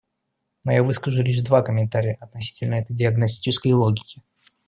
Но я выскажу лишь два комментария относительно этой диагностической логики.